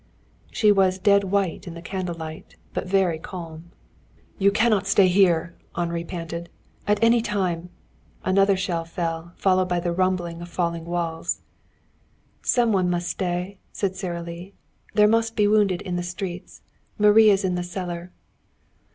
She was as dead white in the candlelight, but very calm. "You cannot stay here," Henri panted. "At any time " Another shell fell, followed by the rumble of falling walls. "Some one must stay," said Sara Lee. "There must be wounded in the streets. Marie is in the cellar."